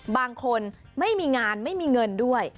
บางคนไม่มีงานไม่มีเงินด้วย